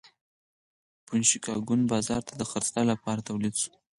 بوشونګانو بازار ته د خرڅلاو لپاره تولیدول.